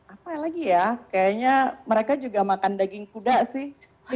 apalagi ya kayaknya mereka juga makan daging kuda sih